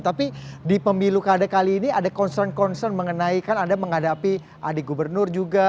tapi di pemilu kada kali ini ada concern concern mengenai kan anda menghadapi adik gubernur juga